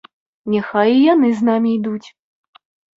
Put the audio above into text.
Няхай і яны з намі ідуць.